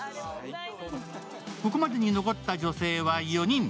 ここまでに残った女性は４人。